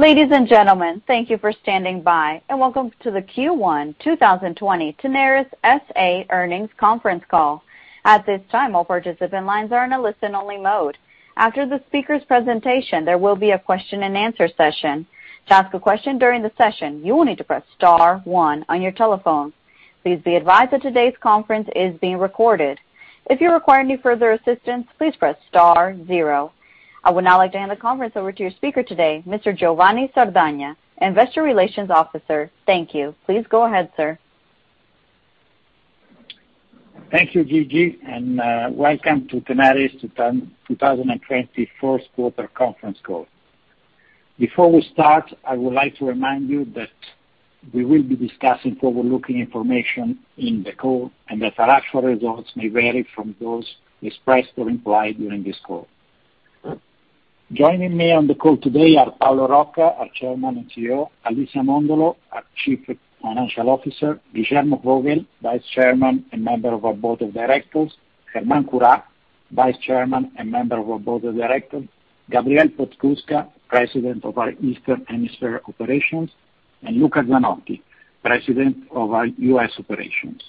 Ladies and gentlemen, thank you for standing by and welcome to the Q1 2020 Tenaris S.A. Earnings Conference Call. At this time, all participant lines are in a listen-only mode. After the speaker's presentation, there will be a question-and-answer session. To ask a question during the session, you will need to press star one on your telephone. Please be advised that today's conference is being recorded. If you require any further assistance, please press star zero. I would now like to hand the conference over to your speaker today, Mr. Giovanni Sardagna, Investor Relations Officer. Thank you. Please go ahead, sir. Thank you, Gigi, and welcome to Tenaris 2020 first quarter conference call. Before we start, I would like to remind you that we will be discussing forward-looking information in the call, and that our actual results may vary from those expressed or implied during this call. Joining me on the call today are Paolo Rocca, our Chairman and Chief Executive Officer, Alicia Mondolo, our Chief Financial Officer, Guillermo Vogel, Vice Chairman and Member of our Board of Directors, Germán Curá, Vice Chairman and Member of our Board of Directors, Gabriel Podskubka, President of our Eastern Hemisphere Operations, and Luca Zanotti, President of our U.S. operations.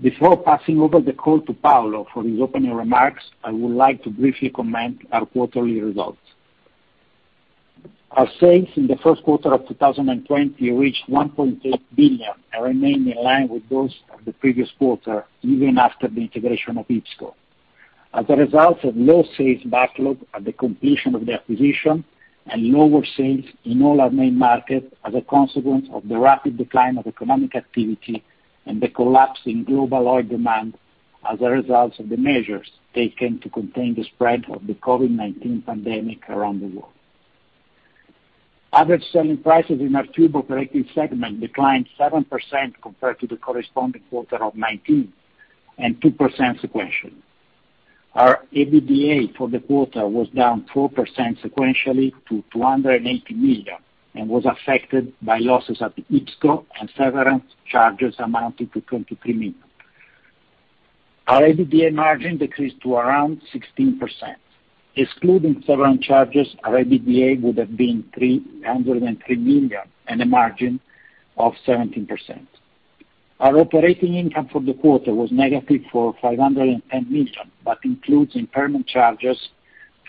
Before passing over the call to Paolo for his opening remarks, I would like to briefly comment our quarterly results. Our sales in the first quarter of 2020 reached $1.8 billion and remain in line with those of the previous quarter, even after the integration of IPSCO. As a result of low sales backlog at the completion of the acquisition and lower sales in all our main markets as a consequence of the rapid decline of economic activity and the collapse in global oil demand as a result of the measures taken to contain the spread of the COVID-19 pandemic around the world. Average selling prices in our Tubes operating segment declined 7% compared to the corresponding quarter of 2019, and 2% sequentially. Our EBITDA for the quarter was down 4% sequentially to $280 million and was affected by losses at the IPSCO and severance charges amounting to $23 million. Our EBITDA margin decreased to around 16%. Excluding severance charges, our EBITDA would have been $303 million and a margin of 17%. Our operating income for the quarter was negative for $510 million, but includes impairment charges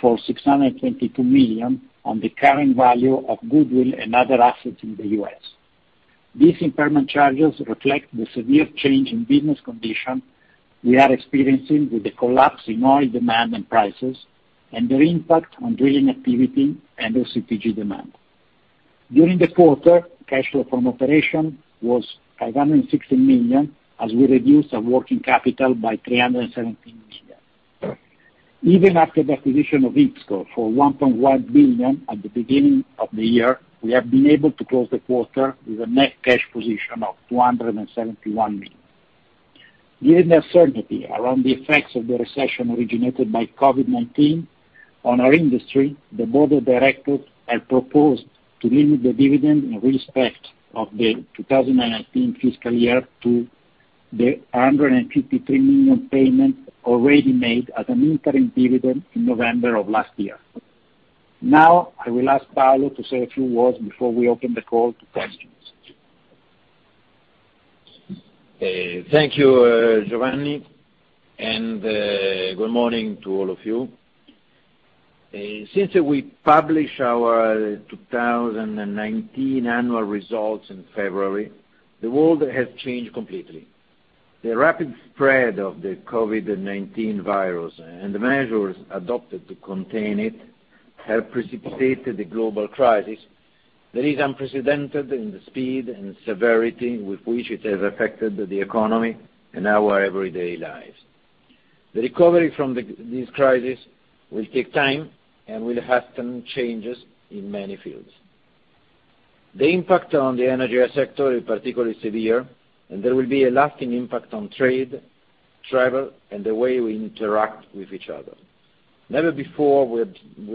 for $622 million on the current value of goodwill and other assets in the U.S. These impairment charges reflect the severe change in business condition we are experiencing with the collapse in oil demand and prices and their impact on drilling activity and OCTG demand. During the quarter, cash flow from operation was $560 million, as we reduced our working capital by $317 million. Even after the acquisition of IPSCO for $1.1 billion at the beginning of the year, we have been able to close the quarter with a net cash position of $271 million. Given the uncertainty around the effects of the recession originated by COVID-19 on our industry, the Board of Directors have proposed to limit the dividend in respect of the 2019 fiscal year to the $153 million payment already made as an interim dividend in November of last year. I will ask Paolo to say a few words before we open the call to questions. Thank you, Giovanni, and good morning to all of you. Since we published our 2019 annual results in February, the world has changed completely. The rapid spread of the COVID-19 virus and the measures adopted to contain it have precipitated a global crisis that is unprecedented in the speed and severity with which it has affected the economy and our everyday lives. The recovery from this crisis will take time and will have some changes in many fields. The impact on the energy sector is particularly severe and there will be a lasting impact on trade, travel, and the way we interact with each other. Never before we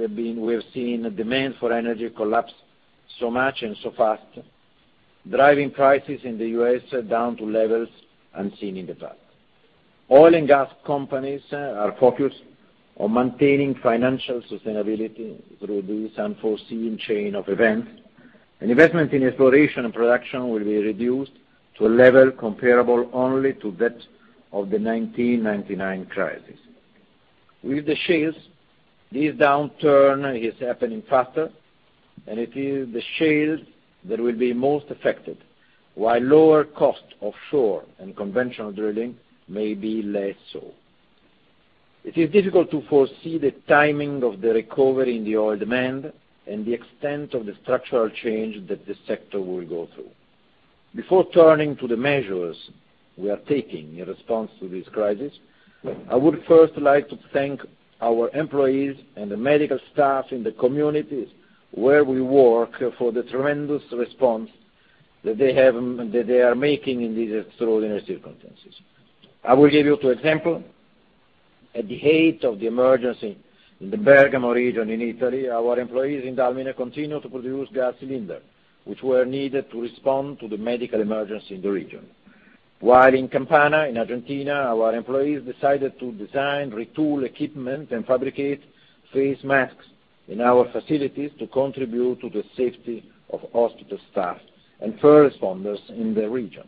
have seen demand for energy collapse so much and so fast, driving prices in the U.S. down to levels unseen in the past. Oil and gas companies are focused on maintaining financial sustainability through this unforeseen chain of events. An investment in exploration and production will be reduced to a level comparable only to that of the 1999 crisis. With the shales, this downturn is happening faster, and it is the shale that will be most affected. While lower cost offshore and conventional drilling may be less so. It is difficult to foresee the timing of the recovery in the oil demand and the extent of the structural change that this sector will go through. Before turning to the measures we are taking in response to this crisis, I would first like to thank our employees and the medical staff in the communities where we work for the tremendous response that they are making in these extraordinary circumstances. I will give you two example. At the height of the emergency in the Bergamo region in Italy, our employees in Dalmine continued to produce gas cylinder, which were needed to respond to the medical emergency in the region. While in Campana in Argentina, our employees decided to design, retool equipment, and fabricate face masks in our facilities to contribute to the safety of hospital staff and first responders in the region.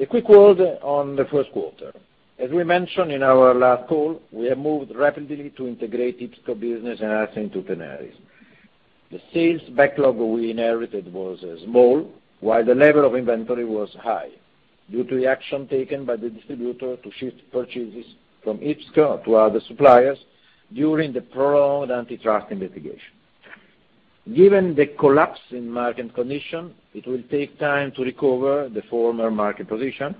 A quick word on the first quarter. As we mentioned in our last call, we have moved rapidly to integrate IPSCO business and asset into Tenaris. The sales backlog we inherited was small, while the level of inventory was high due to the action taken by the distributor to shift purchases from IPSCO to other suppliers during the prolonged antitrust investigation. Given the collapse in market condition, it will take time to recover the former market position,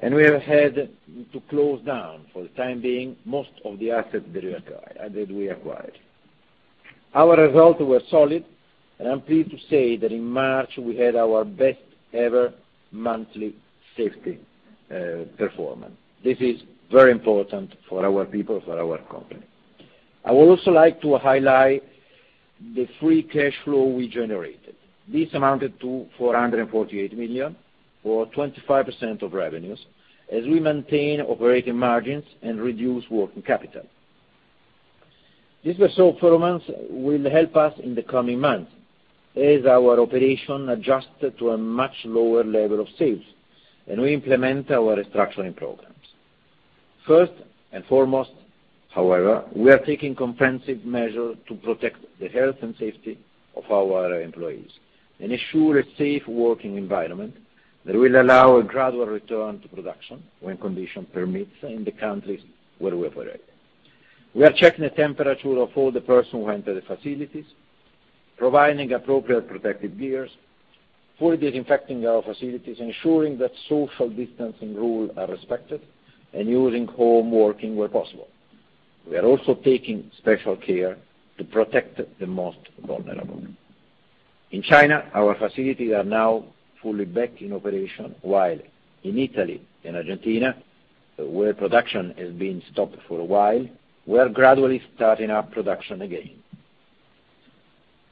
and we have had to close down, for the time being, most of the assets that we acquired. Our results were solid, and I'm pleased to say that in March, we had our best ever monthly safety performance. This is very important for our people, for our company. I would also like to highlight the free cash flow we generated. This amounted to $448 million, or 25% of revenues, as we maintain operating margins and reduce working capital. This result for a month will help us in the coming months as our operation adjust to a much lower level of sales and we implement our restructuring programs. First and foremost, however, we are taking comprehensive measures to protect the health and safety of our employees and ensure a safe working environment that will allow a gradual return to production when condition permits in the countries where we operate. We are checking the temperature of all the person who enter the facilities, providing appropriate protective gears, fully disinfecting our facilities, ensuring that social distancing rule are respected, and using home working where possible. We are also taking special care to protect the most vulnerable. In China, our facilities are now fully back in operation, while in Italy and Argentina, where production has been stopped for a while, we are gradually starting up production again.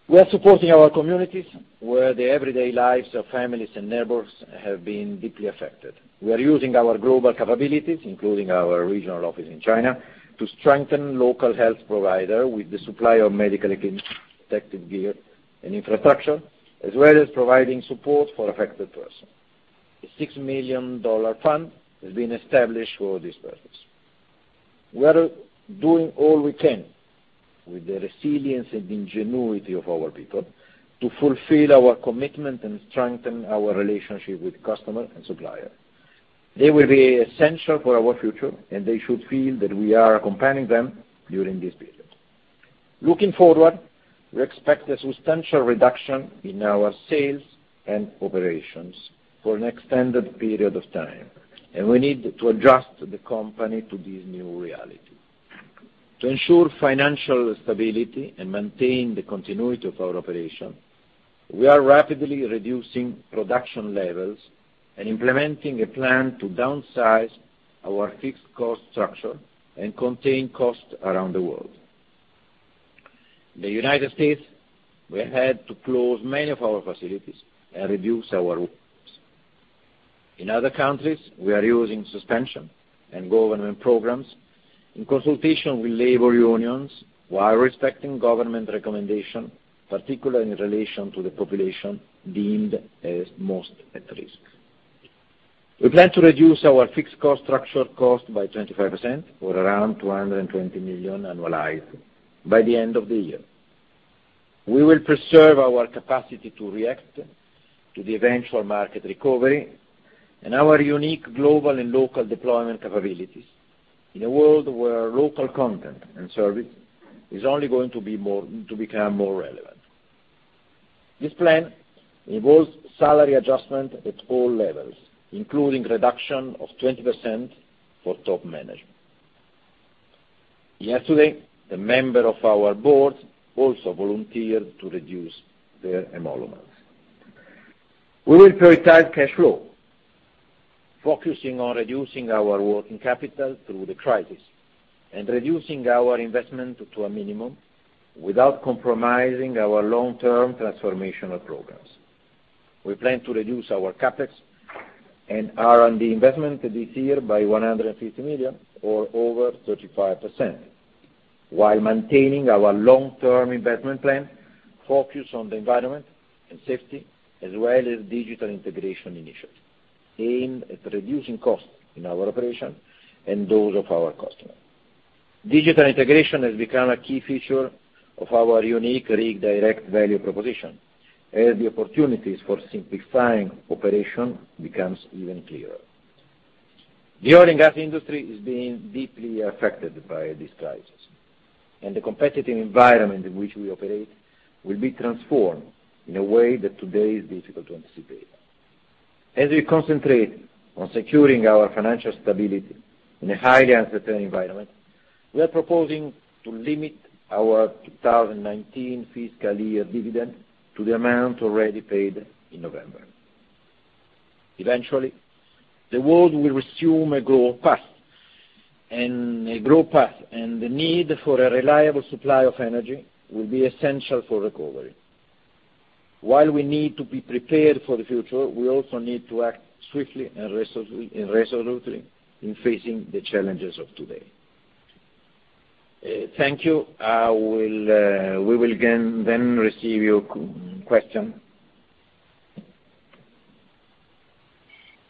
We are supporting our communities where the everyday lives of families and neighbors have been deeply affected. We are using our global capabilities, including our regional office in China, to strengthen local health provider with the supply of medical equipment, protective gear, and infrastructure, as well as providing support for affected person. A $6 million fund has been established for this purpose. We are doing all we can with the resilience and ingenuity of our people to fulfill our commitment and strengthen our relationship with customer and supplier. They will be essential for our future, and they should feel that we are accompanying them during this period. Looking forward, we expect a substantial reduction in our sales and operations for an extended period of time, and we need to adjust the company to this new reality. To ensure financial stability and maintain the continuity of our operation, we are rapidly reducing production levels and implementing a plan to downsize our fixed cost structure and contain cost around the world. In the U.S., we had to close many of our facilities and reduce our workers. In other countries, we are using suspension and government programs in consultation with labor unions while respecting government recommendation, particularly in relation to the population deemed as most at risk. We plan to reduce our fixed cost structural cost by 25%, or around $220 million annualized by the end of the year. We will preserve our capacity to react to the eventual market recovery and our unique global and local deployment capabilities in a world where local content and service is only going to become more relevant. This plan involves salary adjustment at all levels, including reduction of 20% for top management. Yesterday, a member of our board also volunteered to reduce their emoluments. We will prioritize cash flow, focusing on reducing our working capital through the crisis and reducing our investment to a minimum without compromising our long-term transformational programs. We plan to reduce our CapEx and R&D investment this year by $150 million or over 35%, while maintaining our long-term investment plan focused on the environment and safety, as well as digital integration initiatives aimed at reducing costs in our operation and those of our customer. Digital integration has become a key feature of our unique Rig Direct value proposition, as the opportunities for simplifying operation becomes even clearer. The oil and gas industry is being deeply affected by this crisis, and the competitive environment in which we operate will be transformed in a way that today is difficult to anticipate. As we concentrate on securing our financial stability in a highly uncertain environment, we are proposing to limit our 2019 fiscal year dividend to the amount already paid in November. Eventually, the world will resume a growth path, and the need for a reliable supply of energy will be essential for recovery. While we need to be prepared for the future, we also need to act swiftly and resolutely in facing the challenges of today. Thank you. We will then receive your question.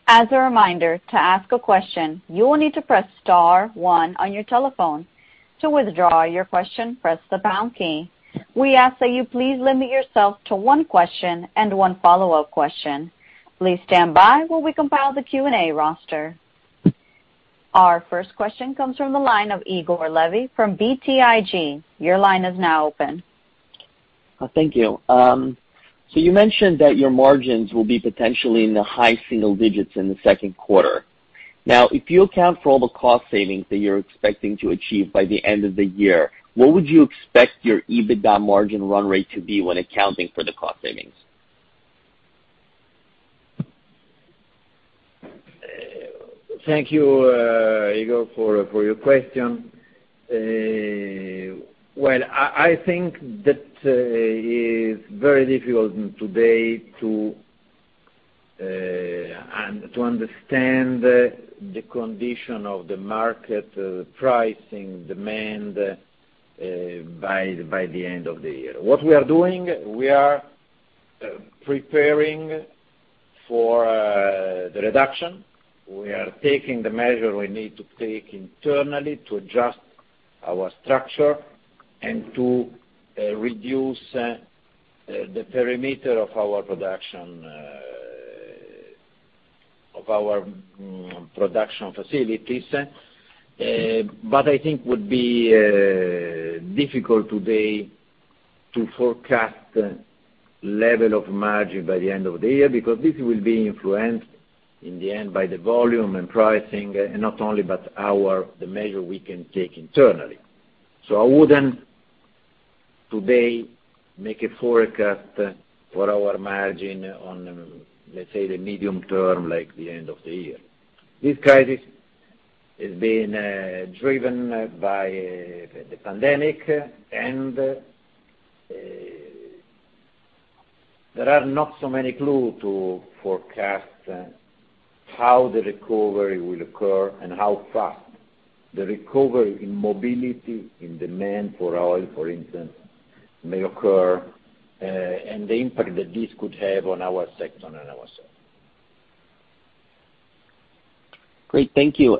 As a reminder, to ask a question, you will need to press star one on your telephone. To withdraw your question, press the pound key. We ask that you please limit yourself to one question and one follow-up question. Please stand by while we compile the Q&A roster. Our first question comes from the line of Igor Levi from BTIG. Your line is now open. Thank you. You mentioned that your margins will be potentially in the high single digits in the second quarter. If you account for all the cost savings that you're expecting to achieve by the end of the year, what would you expect your EBITDA margin run rate to be when accounting for the cost savings? Thank you, Igor, for your question. Well, I think that it is very difficult today to understand the condition of the market, pricing, demand by the end of the year. What we are doing, we are preparing for the reduction. We are taking the measure we need to take internally to adjust our structure and to reduce the perimeter of our production facilities. I think would be difficult today to forecast level of margin by the end of the year, because this will be influenced in the end by the volume and pricing, and not only but the measure we can take internally. I wouldn't today make a forecast for our margin on, let's say, the medium term, like the end of the year. This crisis is being driven by the pandemic, and there are not so many clues to forecast how the recovery will occur and how fast the recovery in mobility, in demand for oil, for instance, may occur, and the impact that this could have on our sector and ourselves. Great, thank you.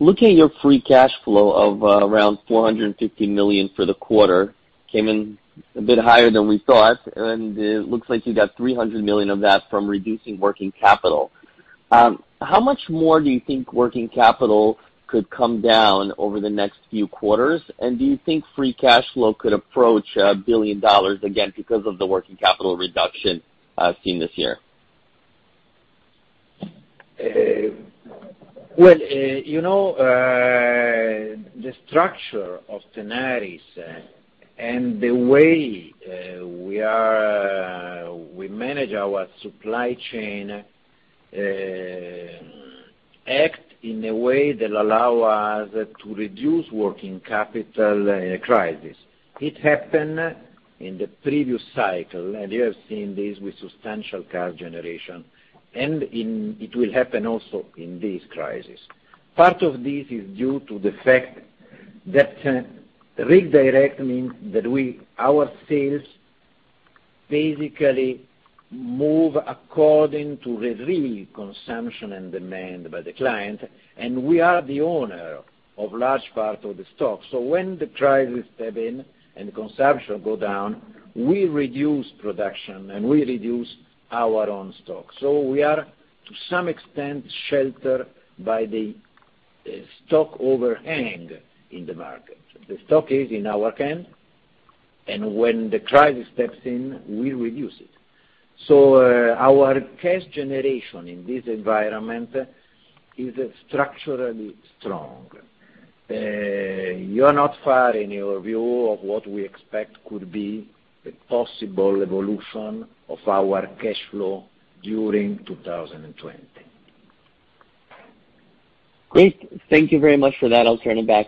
Looking at your free cash flow of around $450 million for the quarter, came in a bit higher than we thought, and it looks like you got $300 million of that from reducing working capital. How much more do you think working capital could come down over the next few quarters? Do you think free cash flow could approach $1 billion again because of the working capital reduction seen this year? Well, the structure of Tenaris, and the way we manage our supply chain act in a way that allow us to reduce working capital in a crisis. It happened in the previous cycle, and you have seen this with substantial cash generation, and it will happen also in this crisis. Part of this is due to the fact that Rig Direct means that our sales basically move according to the real consumption and demand by the client, and we are the owner of large part of the stock. When the crisis step in and consumption go down, we reduce production and we reduce our own stock. We are, to some extent, sheltered by the stock overhang in the market. The stock is in our hand, and when the crisis steps in, we reduce it. Our cash generation in this environment is structurally strong. You are not far in your view of what we expect could be the possible evolution of our cash flow during 2020. Great. Thank you very much for that. I'll turn it back.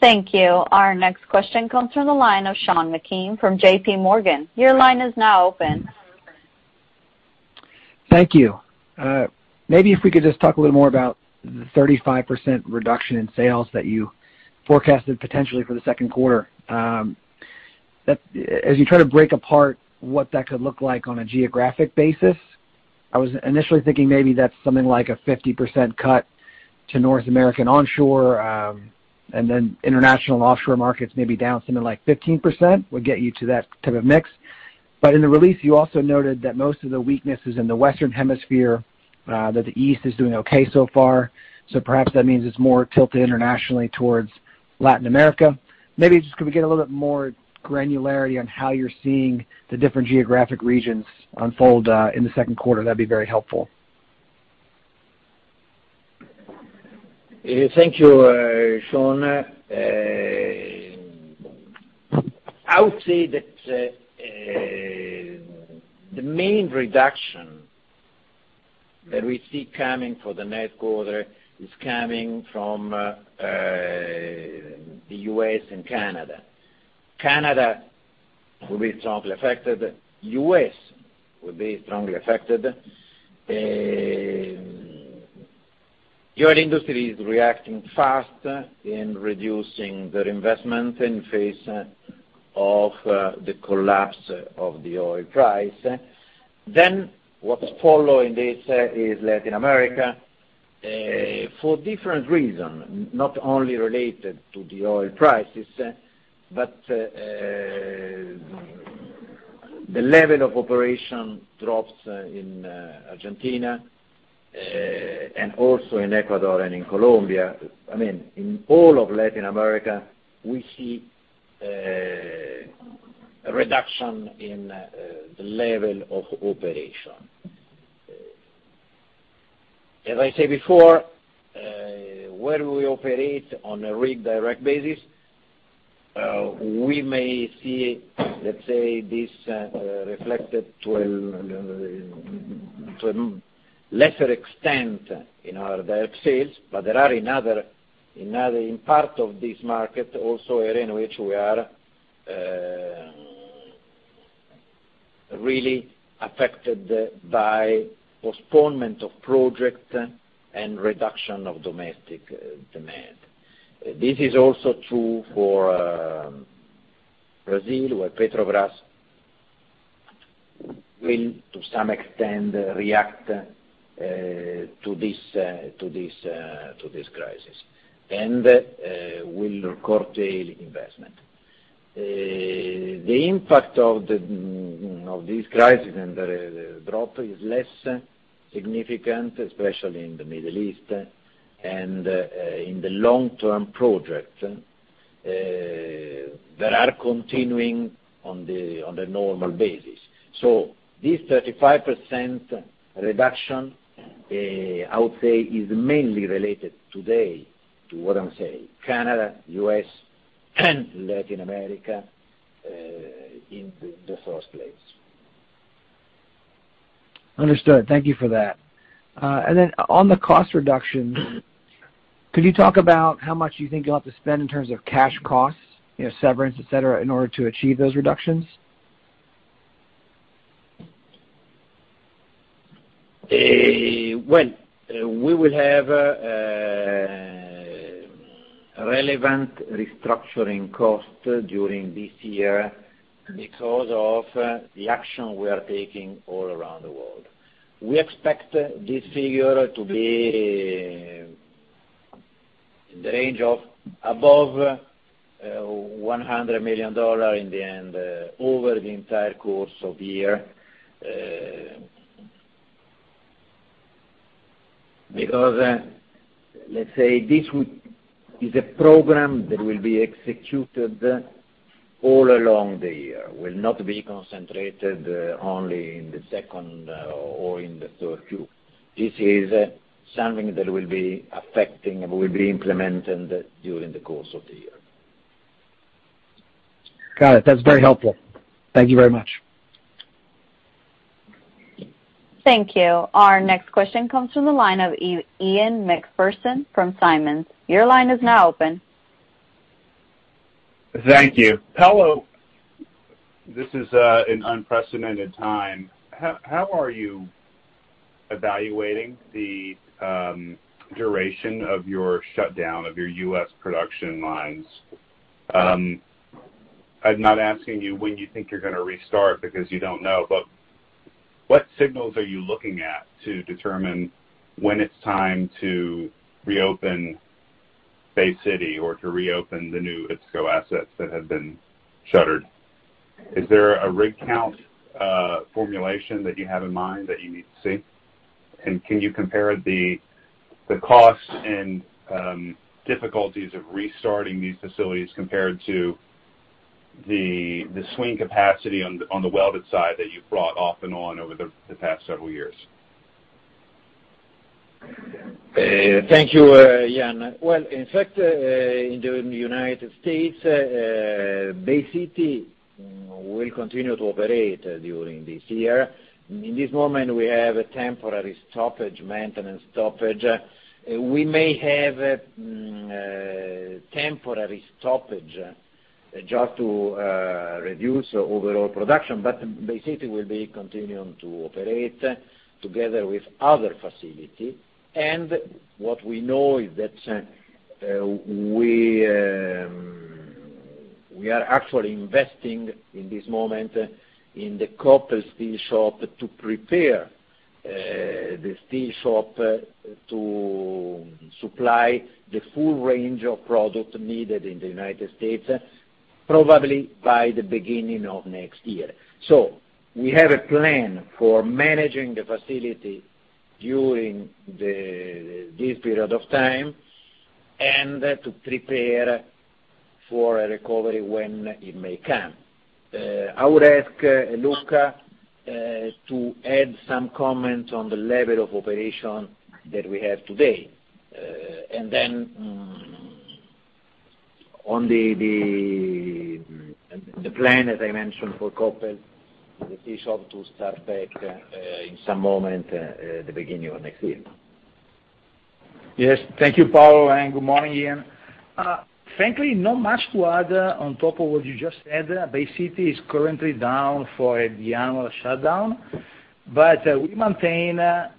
Thank you. Our next question comes from the line of Sean Meakim from JPMorgan. Your line is now open. Thank you. Maybe if we could just talk a little more about the 35% reduction in sales that you forecasted potentially for the second quarter. As you try to break apart what that could look like on a geographic basis, I was initially thinking maybe that's something like a 50% cut to North American onshore, and then international offshore markets maybe down something like 15% would get you to that type of mix. In the release, you also noted that most of the weakness is in the Western Hemisphere, that the East is doing okay so far. Perhaps that means it's more tilted internationally towards Latin America. Maybe just could we get a little bit more granularity on how you're seeing the different geographic regions unfold in the second quarter? That'd be very helpful. Thank you, Sean. I would say that the main reduction that we see coming for the next quarter is coming from the U.S. and Canada. Canada will be strongly affected. U.S. will be strongly affected. Oil industry is reacting fast in reducing their investment in face of the collapse of the oil price. What's following this is Latin America, for different reason, not only related to the oil prices, but the level of operation drops in Argentina, and also in Ecuador and in Colombia. In all of Latin America, we see a reduction in the level of operation. As I said before, where we operate on a Rig Direct basis, we may see, let's say, this reflected to a lesser extent in our direct sales, but there are in part of this market also, areas, which we are really affected by postponement of project and reduction of domestic demand. This is also true for Brazil, where Petrobras will, to some extent, react to this crisis, and will curtail investment. The impact of this crisis and the drop is less significant, especially in the Middle East and in the long-term project, that are continuing on the normal basis. This 35% reduction, I would say, is mainly related today to what I'm saying, Canada, U.S., and Latin America, in the first place. Understood. Thank you for that. On the cost reduction, could you talk about how much you think you'll have to spend in terms of cash costs, severance, et cetera, in order to achieve those reductions? Well, we will have a relevant restructuring cost during this year because of the action we are taking all around the world. We expect this figure to be in the range of above $100 million in the end, over the entire course of year. Let's say, this is a program that will be executed all along the year, will not be concentrated only in the second or in the third Q. This is something that will be affecting, will be implemented during the course of the year. Got it. That's very helpful. Thank you very much. Thank you. Our next question comes from the line of Ian Macpherson from Simmons. Your line is now open. Thank you. Paolo, this is an unprecedented time. How are you evaluating the duration of your shutdown of your U.S. production lines? I'm not asking you when you think you're going to restart, because you don't know, what signals are you looking at to determine when it's time to reopen Bay City or to reopen the new IPSCO assets that have been shuttered? Is there a rig count formulation that you have in mind that you need to see? Can you compare the cost and difficulties of restarting these facilities compared to the swing capacity on the welded side that you've brought off and on over the past several years? Thank you, Ian. Well, in fact, in the U.S., Bay City will continue to operate during this year. In this moment, we have a temporary stoppage, maintenance stoppage. We may have temporary stoppage just to reduce overall production, but Bay City will be continuing to operate together with other facility. What we know is that we are actually investing in this moment in the Koppel steel shop to prepare the steel shop to supply the full range of product needed in the U.S., probably by the beginning of next year. We have a plan for managing the facility during this period of time, and to prepare for a recovery when it may come. I would ask Luca to add some comments on the level of operation that we have today. Then on the plan, as I mentioned, for Koppel, the steel shop to start back in some moment at the beginning of next year. Yes. Thank you, Paolo. Good morning, Ian. Frankly, not much to add on top of what you just said. Bay City is currently down for the annual shutdown, but we maintain our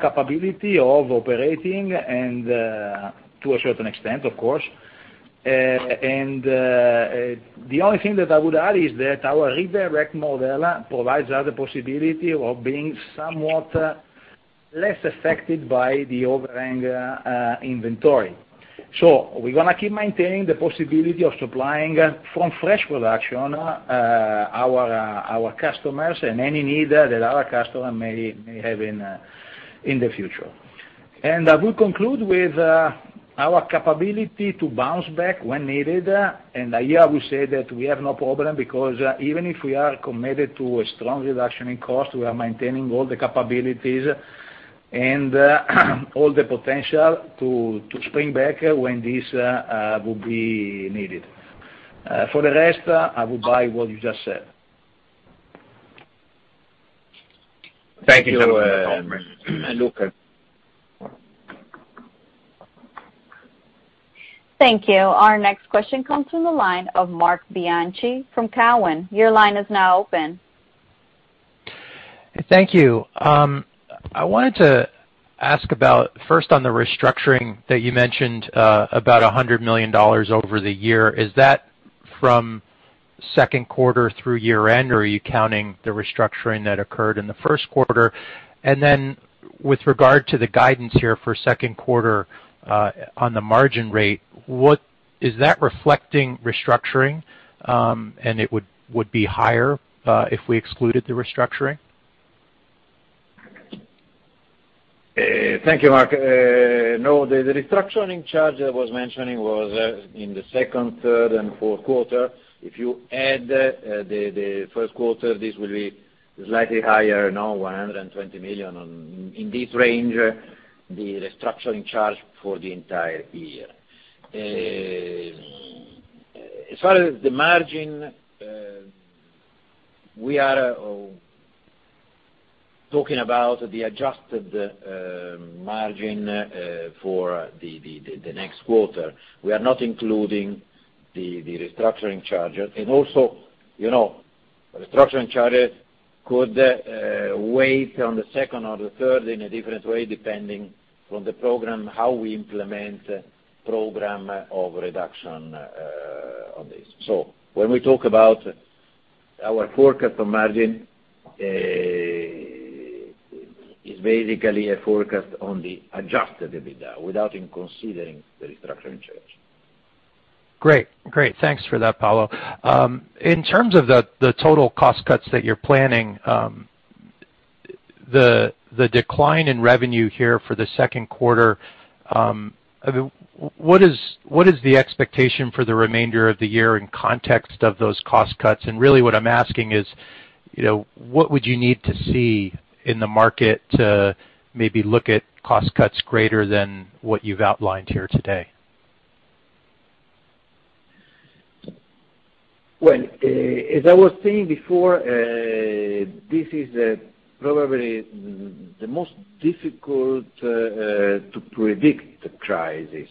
capability of operating to a certain extent, of course. The only thing that I would add is that our Rig Direct model provides us a possibility of being somewhat less affected by the overhang inventory. We're going to keep maintaining the possibility of supplying from fresh production, our customers, and any need that our customer may have in the future. I will conclude with our capability to bounce back when needed. Here I will say that we have no problem because even if we are committed to a strong reduction in cost, we are maintaining all the capabilities and all the potential to spring back when this will be needed. For the rest, I will buy what you just said. Thank you so much, Luca. Thank you. Our next question comes from the line of Marc Bianchi from Cowen. Your line is now open. Thank you. I wanted to ask about, first, on the restructuring that you mentioned, about $100 million over the year. Is that from second quarter through year-end, or are you counting the restructuring that occurred in the first quarter? With regard to the guidance here for second quarter on the margin rate, is that reflecting restructuring, and it would be higher if we excluded the restructuring? Thank you, Marc. The restructuring charge I was mentioning was in the second, third, and fourth quarter. If you add the first quarter, this will be slightly higher now, $120 million. In this range, the restructuring charge for the entire year. As far as the margin, we are talking about the adjusted margin for the next quarter. We are not including the restructuring charges. Also, restructuring charges could wait on the second or the third in a different way, depending on the program, how we implement program of reduction on this. When we talk about our forecast on margin, it's basically a forecast on the adjusted EBITDA without even considering the restructuring charge. Great. Thanks for that, Paolo. In terms of the total cost cuts that you're planning, the decline in revenue here for the second quarter, what is the expectation for the remainder of the year in context of those cost cuts? Really what I'm asking is, what would you need to see in the market to maybe look at cost cuts greater than what you've outlined here today? Well, as I was saying before, this is probably the most difficult to predict crisis.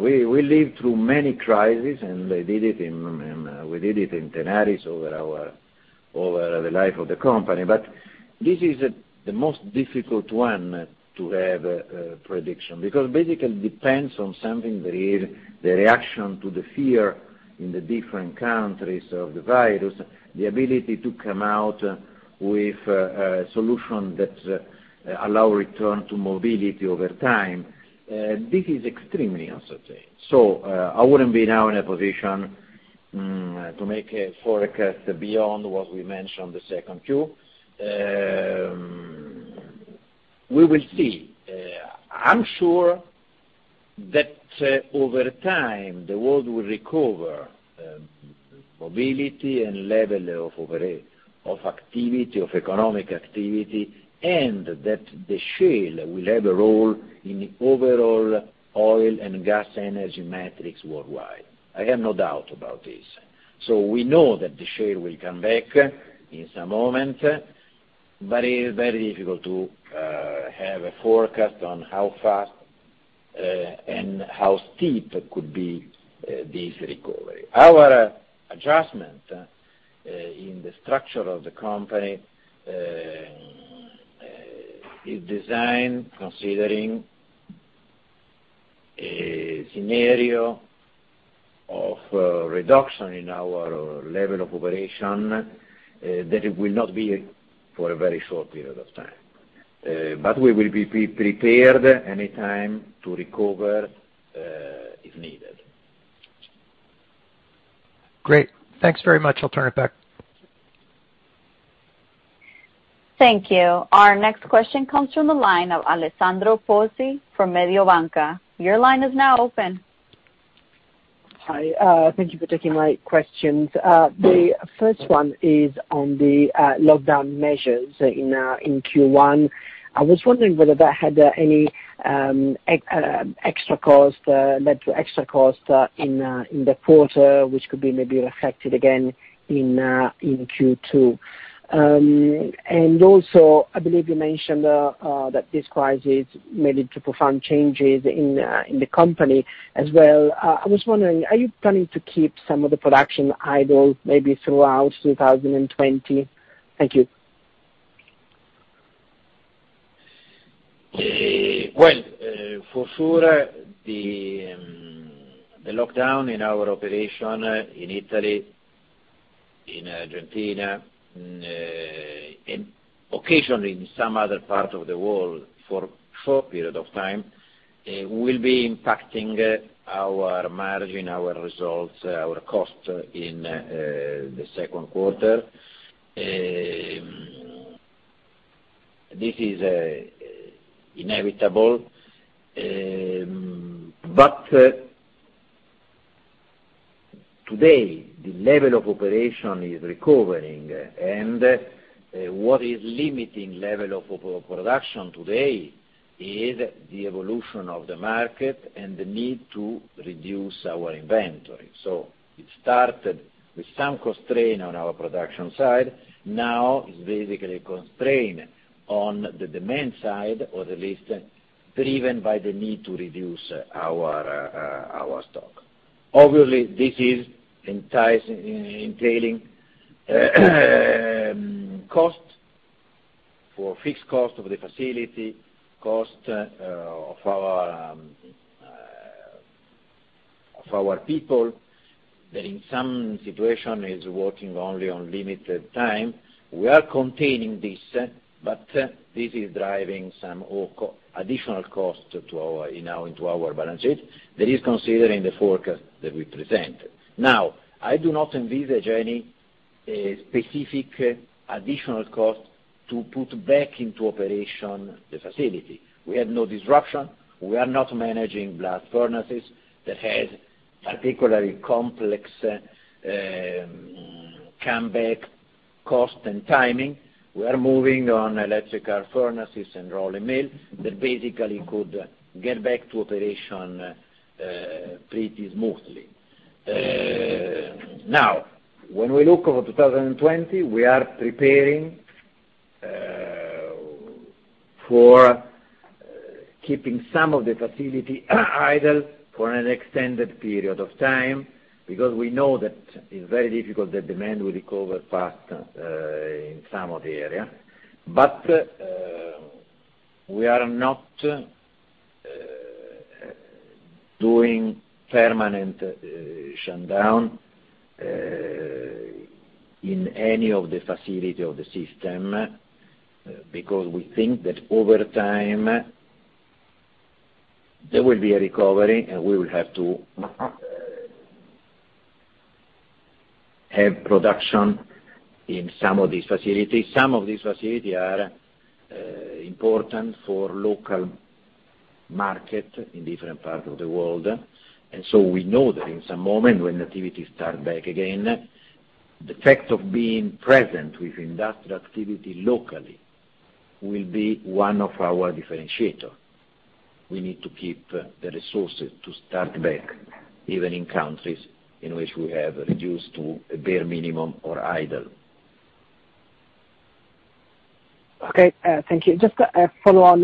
We lived through many crises, and we did it in Tenaris over the life of the company. This is the most difficult one to have a prediction, because basically depends on something that is the reaction to the fear in the different countries of the virus, the ability to come out with a solution that allow return to mobility over time. This is extremely uncertain. I wouldn't be now in a position to make a forecast beyond what we mentioned the second quarter. We will see. I'm sure that over time, the world will recover mobility and level of activity, of economic activity, and that the shale will have a role in the overall oil and gas energy metrics worldwide. I have no doubt about this. We know that the shale will come back in some moment, but it is very difficult to have a forecast on how fast and how steep could be this recovery. Our adjustment in the structure of the company is designed considering a scenario of reduction in our level of operation, that it will not be for a very short period of time. We will be prepared any time to recover if needed. Great. Thanks very much. I'll turn it back. Thank you. Our next question comes from the line of Alessandro Pozzi from Mediobanca. Your line is now open. Hi. Thank you for taking my questions. The first one is on the lockdown measures in Q1. I was wondering whether that had any extra cost, led to extra cost in the quarter, which could be maybe reflected again in Q2. I believe you mentioned that this crisis may lead to profound changes in the company as well. I was wondering, are you planning to keep some of the production idle maybe throughout 2020? Thank you. Well, for sure, the lockdown in our operation in Italy, in Argentina, and occasionally in some other parts of the world for short period of time, will be impacting our margin, our results, our cost in the second quarter. This is inevitable. Today, the level of operation is recovering, and what is limiting level of overall production today is the evolution of the market and the need to reduce our inventory. It started with some constraint on our production side. Now it's basically constraint on the demand side, or at least driven by the need to reduce our stock. Obviously, this is entailing cost for fixed cost of the facility, cost of our people, that in some situation is working only on limited time. We are containing this, but this is driving some additional cost into our balance sheet. That is considering the forecast that we presented. I do not envisage any specific additional cost to put back into operation the facility. We had no disruption. We are not managing blast furnaces that has particularly complex comeback cost and timing. We are moving on electrical furnaces and rolling mill that basically could get back to operation pretty smoothly. When we look over 2020, we are preparing for keeping some of the facility idle for an extended period of time, because we know that it's very difficult that demand will recover fast in some of the area. We are not doing permanent shutdown in any of the facility of the system, because we think that over time, there will be a recovery, and we will have to have production in some of these facilities. Some of these facility are important for local market in different part of the world. We know that in some moment when activity start back again, the fact of being present with industrial activity locally will be one of our differentiator. We need to keep the resources to start back, even in countries in which we have reduced to a bare minimum or idle. Okay. Thank you. Just a follow on.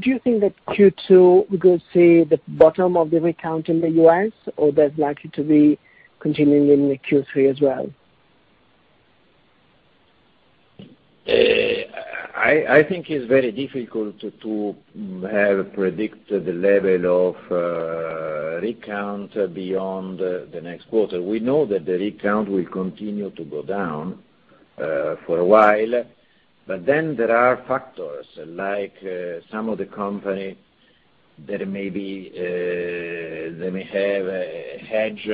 Do you think that Q2, we could see the bottom of the rig count in the U.S., or that's likely to be continuing in the Q3 as well? I think it's very difficult to have predict the level of rig count beyond the next quarter. We know that the rig count will continue to go down for a while. There are factors like some of the company, they may have hedge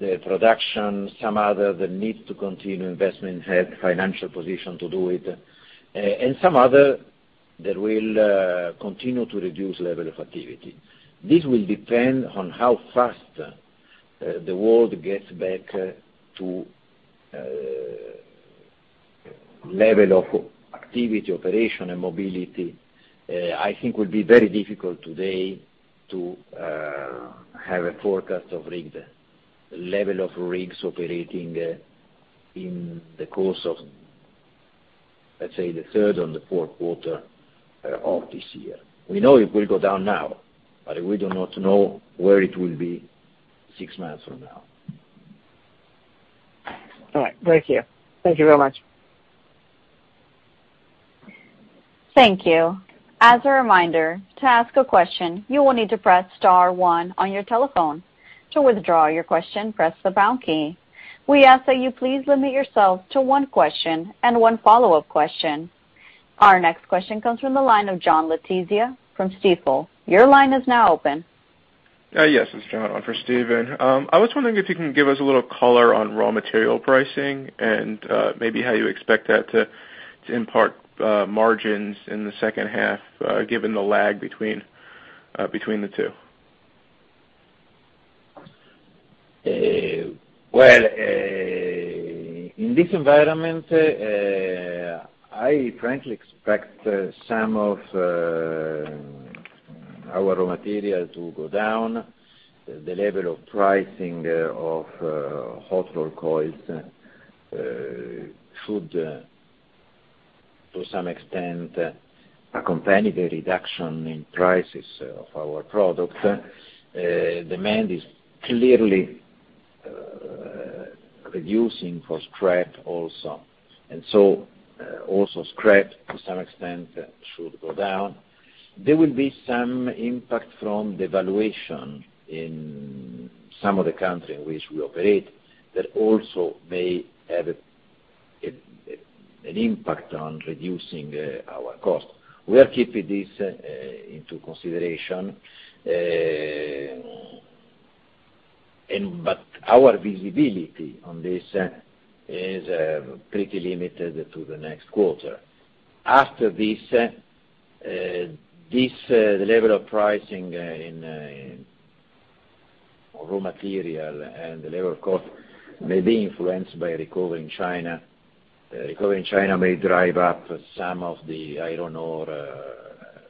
their production, some other that need to continue investment, have financial position to do it, and some other that will continue to reduce level of activity. This will depend on how fast the world gets back to level of activity, operation, and mobility. I think it will be very difficult today to have a forecast of level of rigs operating in the course of, let's say, the third and the fourth quarter of this year. We know it will go down now, we do not know where it will be six months from now. All right. Thank you. Thank you very much. Thank you. As a reminder, to ask a question, you will need to press star one on your telephone. To withdraw your question, press the pound key. We ask that you please limit yourself to one question and one follow-up question. Our next question comes from the line of John Letizia from Stifel. Your line is now open. Yes. It's John on for Stephen. I was wondering if you can give us a little color on raw material pricing and maybe how you expect that to impact margins in the second half, given the lag between the two? Well, in this environment, I frankly expect some of our raw material to go down. The level of pricing of hot rolled coils should, to some extent, accompany the reduction in prices of our product. Demand is clearly reducing for scrap also. Also scrap, to some extent, should go down. There will be some impact from the valuation in some of the countries in which we operate. That also may have an impact on reducing our cost. We are keeping this into consideration. Our visibility on this is pretty limited to the next quarter. After this, the level of pricing in raw material and the level of cost may be influenced by recovering China. Recovering China may drive up some of the iron ore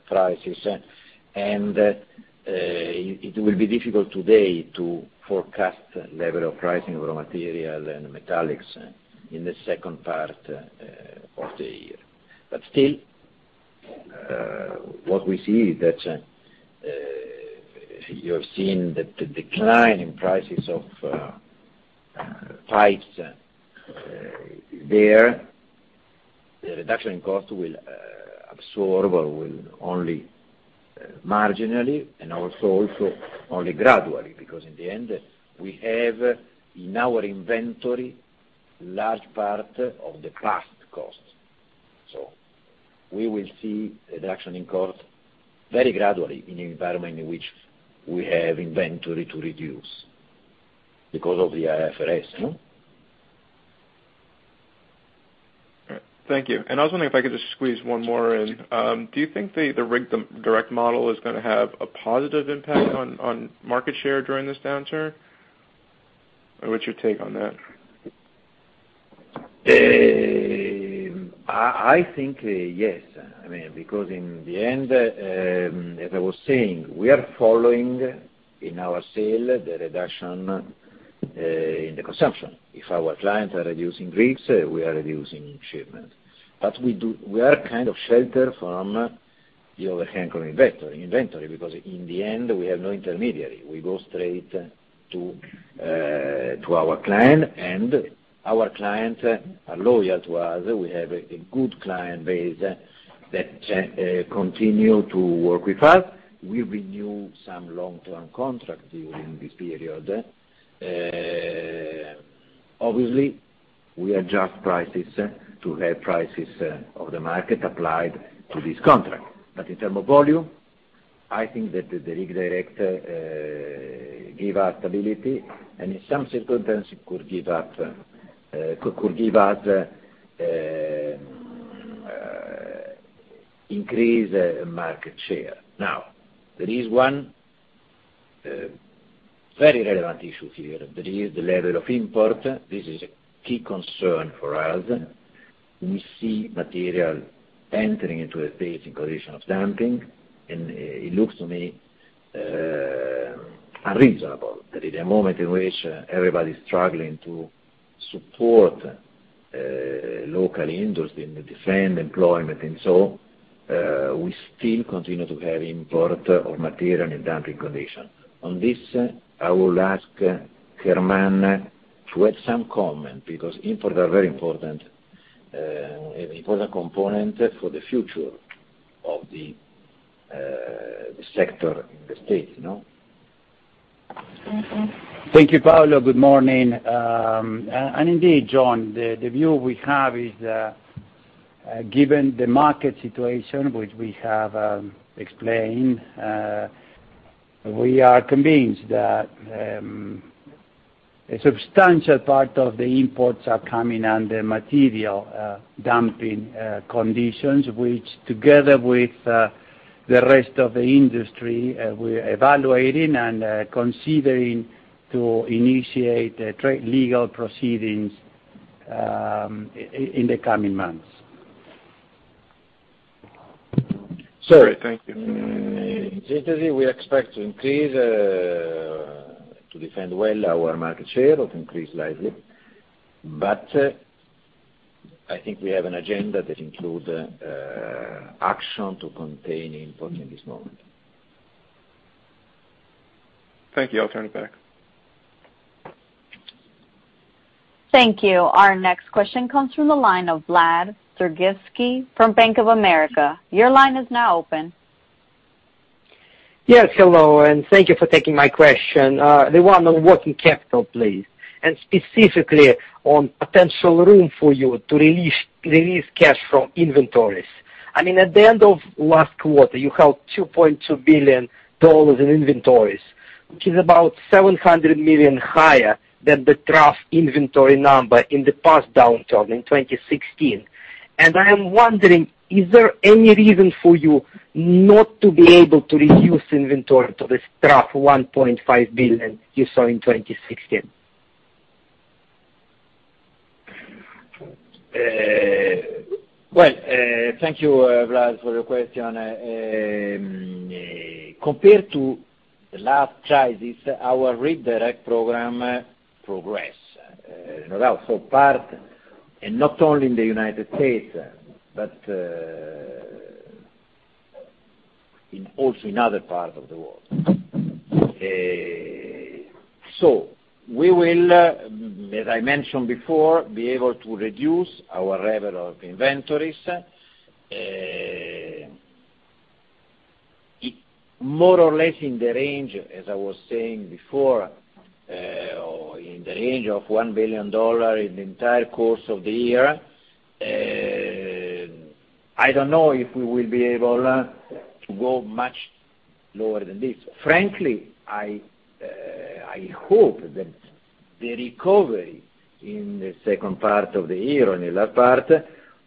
prices. It will be difficult today to forecast the level of pricing of raw material and metallics in the second part of the year. Still, what we see is that you have seen the decline in prices of pipes there. The reduction in cost will absorb or will only marginally and also only gradually, because in the end, we have in our inventory large part of the past cost. We will see reduction in cost very gradually in an environment in which we have inventory to reduce because of the IFRS. All right. Thank you. I was wondering if I could just squeeze one more in. Do you think the Rig Direct model is going to have a positive impact on market share during this downturn? What's your take on that? I think yes. Because in the end, as I was saying, we are following in our sale, the reduction in the consumption. If our clients are reducing rigs, we are reducing shipments. We are kind of sheltered from the overhang inventory because in the end, we have no intermediary. We go straight to our client, and our clients are loyal to us. We have a good client base that continue to work with us. We renew some long-term contracts during this period. Obviously, we adjust prices to have prices of the market applied to this contract. In terms of volume, I think that the Rig Direct give us stability, and in some circumstances, could give us increase market share. Now, there is one very relevant issue here. There is the level of import. This is a key concern for us. We see material entering into a phase in condition of dumping, and it looks to me unreasonable that at the moment in which everybody is struggling to support local industry and defend employment and so, we still continue to have import of material in dumping condition. On this, I will ask Germán to add some comment, because imports are very important. It was a component for the future of the sector in the state. Thank you, Paolo. Good morning. Indeed, John, the view we have is, given the market situation, which we have explained, we are convinced that a substantial part of the imports are coming under material dumping conditions, which, together with the rest of the industry, we're evaluating and considering to initiate legal proceedings in the coming months. Great. Thank you. In general, we expect to increase, to defend well our market share or to increase slightly. I think we have an agenda that includes action to contain import in this moment. Thank you. I'll turn it back. Thank you. Our next question comes from the line of Vlad Sergievskiy from Bank of America. Your line is now open. Yes, hello. Thank you for taking my question. The one on working capital, please, and specifically on potential room for you to release cash from inventories. At the end of last quarter, you held $2.2 billion in inventories. Which is about $700 million higher than the trough inventory number in the past downturn in 2016. I am wondering, is there any reason for you not to be able to reduce inventory to this trough $1.5 billion you saw in 2016? Well, thank you, Vlad, for your question. Compared to the last crisis, our Rig Direct program progress, no doubt, for part, and not only in the U.S., but also, in other parts of the world. We will, as I mentioned before, be able to reduce our level of inventories, more or less in the range, as I was saying before, of $1 billion in the entire course of the year. I don't know if we will be able to go much lower than this. Frankly, I hope that the recovery in the second part of the year, in the latter part,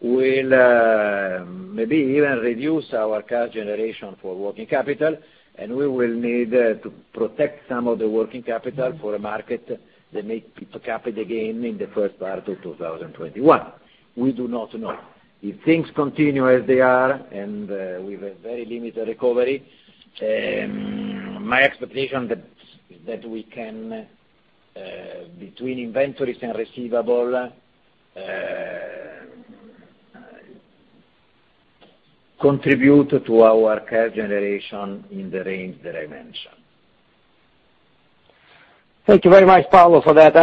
will maybe even reduce our cash generation for working capital, and we will need to protect some of the working capital for a market that may pick up again in the first part of 2021. We do not know. If things continue as they are and with a very limited recovery, my expectation that we can, between inventories and receivables, contribute to our cash generation in the range that I mentioned. Thank you very much, Paolo, for that.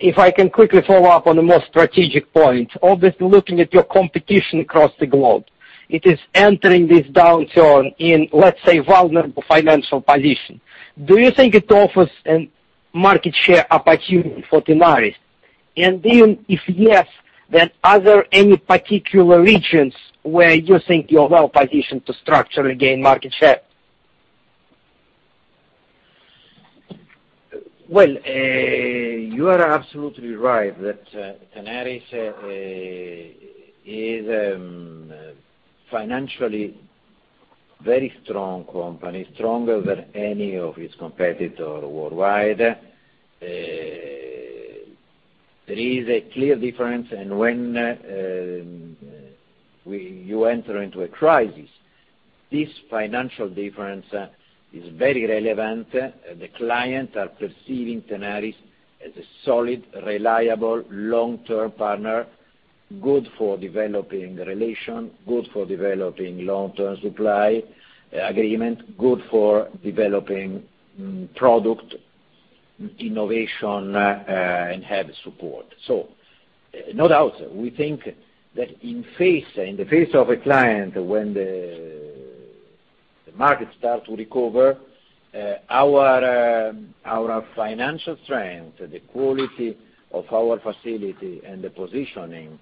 If I can quickly follow up on a more strategic point, obviously, looking at your competition across the globe, it is entering this downturn in, let's say, vulnerable financial position. Do you think it offers a market share opportunity for Tenaris? If yes, then are there any particular regions where you think you're well-positioned to structurally gain market share? Well, you are absolutely right that Tenaris is a financially very strong company, stronger than any of its competitor worldwide. There is a clear difference, and when you enter into a crisis, this financial difference is very relevant. The clients are perceiving Tenaris as a solid, reliable, long-term partner, good for developing relation, good for developing long-term supply agreement, good for developing product innovation, and have support. No doubt, we think that in the face of a client, when the market starts to recover, our financial strength, the quality of our facility, and the positioning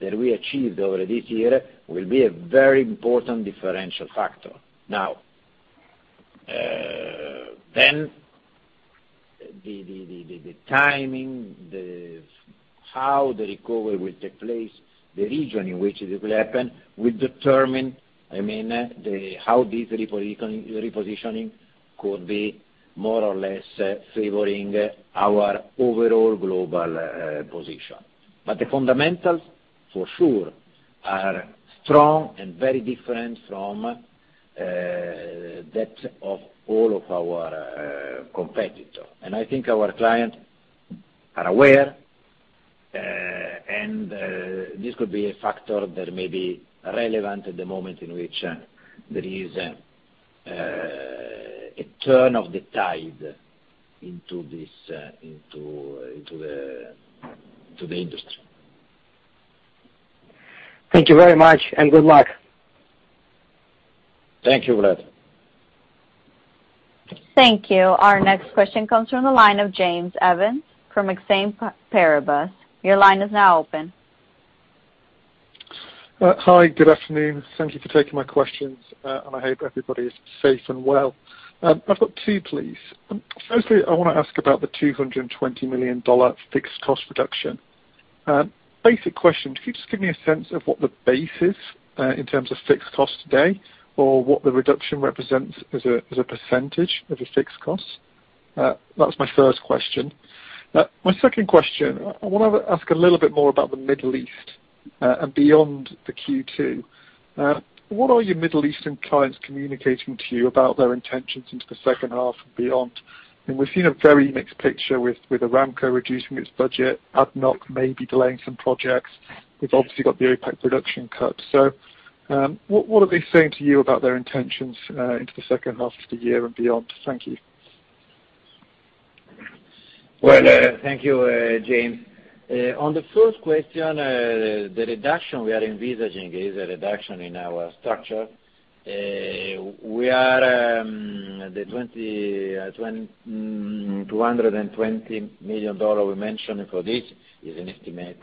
that we achieved over this year will be a very important differential factor. Now, the timing, how the recovery will take place, the region in which it will happen, will determine how this repositioning could be more or less favoring our overall global position. The fundamentals, for sure, are strong and very different from that of all of our competitors. I think our clients are aware, and this could be a factor that may be relevant at the moment in which there is a turn of the tide into the industry. Thank you very much, and good luck. Thank you, Vlad. Thank you. Our next question comes from the line of James Evans from Exane BNP Paribas. Your line is now open. Hi. Good afternoon. Thank you for taking my questions, and I hope everybody is safe and well. I've got two, please. Firstly, I want to ask about the $220 million fixed cost reduction. Basic question, could you just give me a sense of what the base is in terms of fixed cost today or what the reduction represents as a percentage of the fixed cost? That was my first question. My second question, I want to ask a little bit more about the Middle East and beyond the Q2. What are your Middle Eastern clients communicating to you about their intentions into the second half and beyond? We've seen a very mixed picture with Aramco reducing its budget, ADNOC maybe delaying some projects. We've obviously got the OPEC production cut. What are they saying to you about their intentions into the second half of the year and beyond? Thank you. Well, thank you, James. On the first question, the reduction we are envisaging is a reduction in our structure. The $220 million we mentioned for this is an estimate,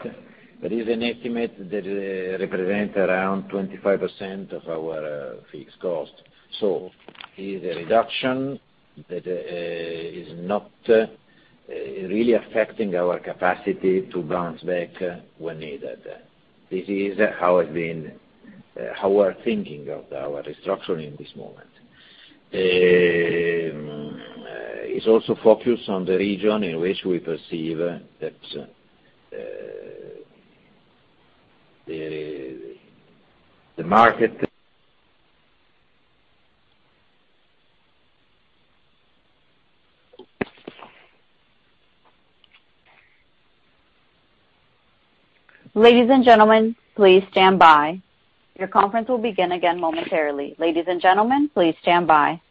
but is an estimate that represents around 25% of our fixed cost. It is a reduction that is not really affecting our capacity to bounce back when needed. This is how we are thinking of our restructuring this moment. Is also focused on the region in which we perceive that the market. Ladies and gentlemen, please stand by. Your conference will begin again momentarily. Ladies and gentlemen, please stand by.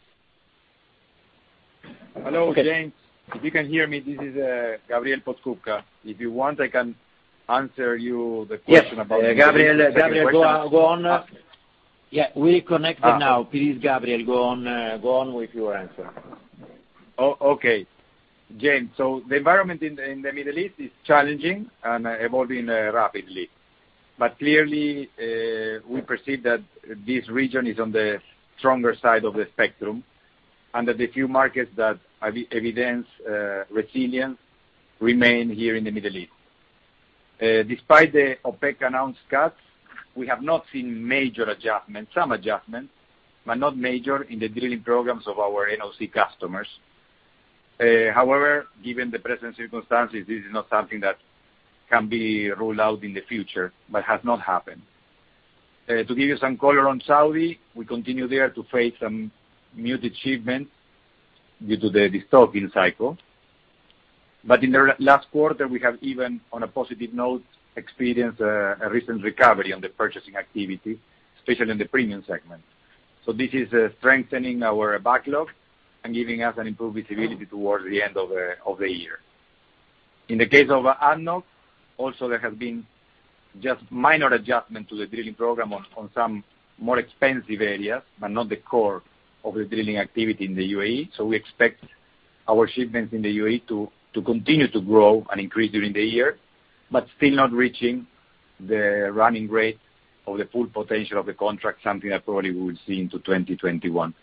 Hello, James. If you can hear me, this is Gabriel Podskubka. If you want, I can answer you the question. Yes, Gabriel, go on. We connect it now. Please, Gabriel, go on with your answer. Okay, James. The environment in the Middle East is challenging and evolving rapidly. Clearly, we perceive that this region is on the stronger side of the spectrum, and that the few markets that evidence resilience remain here in the Middle East. Despite the OPEC-announced cuts, we have not seen major adjustments. Some adjustments, but not major in the drilling programs of our NOC customers. However, given the present circumstances, this is not something that can be ruled out in the future, but has not happened. To give you some color on Saudi, we continue there to face some mute achievement due to the destocking cycle. In the last quarter, we have even, on a positive note, experienced a recent recovery on the purchasing activity, especially in the premium segment. This is strengthening our backlog and giving us an improved visibility towards the end of the year. In the case of ADNOC, also there has been just minor adjustment to the drilling program on some more expensive areas, but not the core of the drilling activity in the UAE. We expect our shipments in the UAE to continue to grow and increase during the year, but still not reaching the running rate of the full potential of the contract, something that probably we would see into 2021.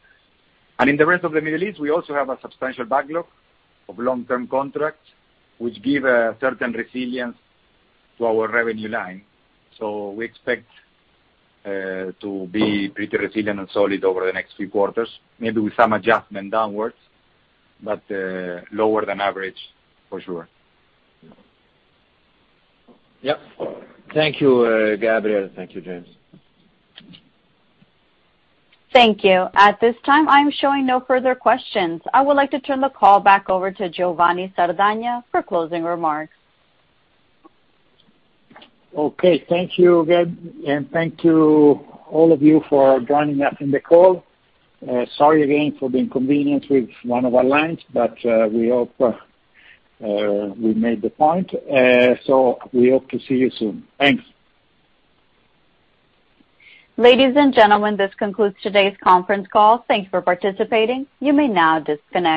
In the rest of the Middle East, we also have a substantial backlog of long-term contracts, which give a certain resilience to our revenue line. We expect to be pretty resilient and solid over the next few quarters, maybe with some adjustment downwards, but lower than average for sure. Yep. Thank you, Gabriel. Thank you, James. Thank you. At this time, I'm showing no further questions. I would like to turn the call back over to Giovanni Sardagna for closing remarks. Okay. Thank you again, thank to all of you for joining us in the call. Sorry again for the inconvenience with one of our lines, we hope we made the point. We hope to see you soon. Thanks. Ladies and gentlemen, this concludes today's conference call. Thanks for participating. You may now disconnect.